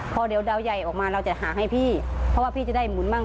พอเดี๋ยวดาวใหญ่ออกมาเราจะหาให้พี่เพราะว่าพี่จะได้หมุนบ้าง